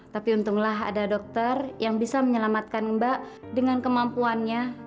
tapi untunglah ada dokter yang bisa menyelamatkan mbak dengan kemampuannya